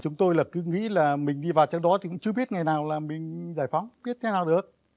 chúng tôi là cứ nghĩ là mình đi vào trang đó thì cũng chưa biết ngày nào là mình giải phóng biết thế nào được